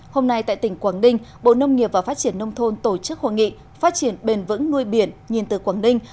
hôm nay tại tỉnh quảng ninh bộ nông nghiệp và phát triển nông thôn tổ chức hội nghị phát triển bền vững nuôi biển nhìn từ quảng ninh